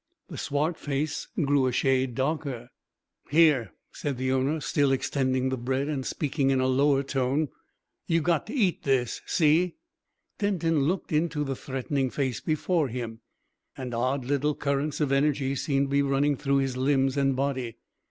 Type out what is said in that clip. The swart face grew a shade darker. "Here," said its owner, still extending the bread, and speaking in a lower tone; "you got to eat this. See?" Denton looked into the threatening face before him, and odd little currents of energy seemed to be running through his limbs and body.